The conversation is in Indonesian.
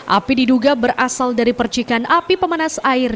api diduga berasal dari percikan api pemanas air